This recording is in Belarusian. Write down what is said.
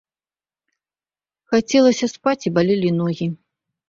Хацелася спаць і балелі ногі.